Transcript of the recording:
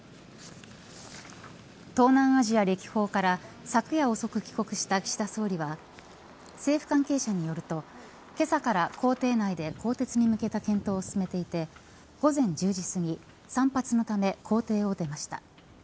東南アジア歴訪から昨夜遅く帰国した岸田総理は政府関係者によるとけさから公邸内で更迭に向けた検討を進めていて午前１０時過ぎ散髪のため公邸を出ました。